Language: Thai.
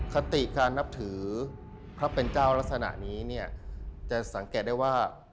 คติการนับถือพระเป็นเจ้าลักษณะนี้เนี่ยจะสังเกตได้ว่า